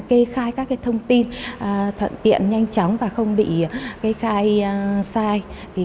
kê khai các thông tin thuận tiện nhanh chóng và không bị kê khai sai